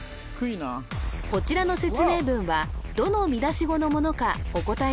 こちらの説明文はどの見出し語のものかお答え